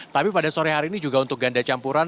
tapi pada sore hari ini juga untuk ganda campuran